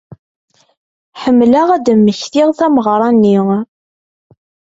Ḥemmleɣ ad d-mmektiɣ tameɣra-nni.